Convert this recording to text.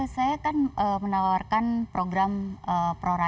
saya kan menawarkan program program